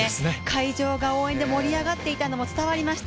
会場が応援で盛り上がっていたのも伝わりました。